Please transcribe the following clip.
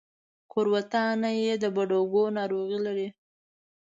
کورودانه يې د بډوګو ناروغي لري.